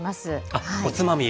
あっおつまみ。